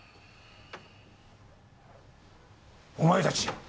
お前たち！